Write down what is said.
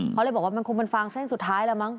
เขาเลยบอกว่ามันคงเป็นฟางเส้นสุดท้ายแล้วมั้